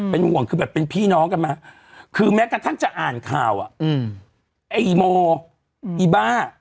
เป็นห่วงคือแบบเป็นพี่น้องกันมาคือแม้กระทั่งจะอ่านข่าวอ่ะอืมไอ้อีโมอีบ้า